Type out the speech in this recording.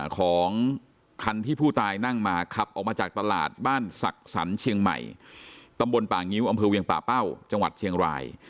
ของคันที่ผู้ตายนั่งมาขับออกมาจากตลาดบ้านศักดิ์สรรเชียงใหม่ตำบลป่างิ้วอำเภอเวียงป่าเป้าจังหวัดเชียงราย